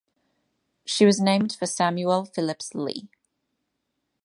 She was named for Samuel Phillips Lee.